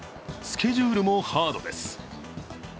スケジュールもハードです。